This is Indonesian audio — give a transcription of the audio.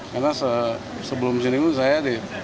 karena sebelum ini pun saya di